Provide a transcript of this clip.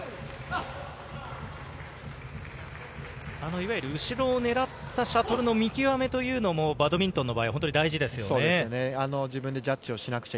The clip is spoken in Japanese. いわゆる後ろを狙ったシャトルの見極めというのも、バドミントンの場合、本当に大事ですよね。